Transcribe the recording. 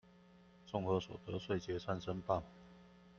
綜合所得稅結算申報